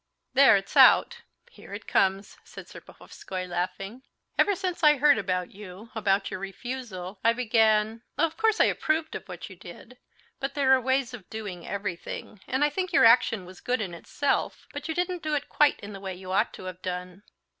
"There it's out! here it comes!" said Serpuhovskoy, laughing. "Ever since I heard about you, about your refusal, I began.... Of course, I approved of what you did. But there are ways of doing everything. And I think your action was good in itself, but you didn't do it quite in the way you ought to have done."